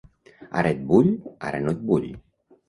Ara et vull, ara no et vull.